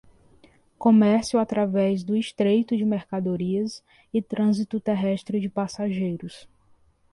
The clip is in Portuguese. Comércio através do Estreito de mercadorias e trânsito terrestre de passageiros